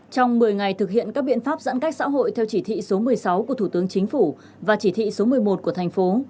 trong một mươi ngày thực hiện các biện pháp giãn cách xã hội theo chỉ thị số một mươi sáu của thủ tướng chính phủ và chỉ thị số một mươi một của thành phố